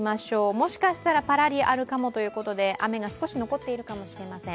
もしかしたらパラリあるかもということで雨が少し残っているかもしれません。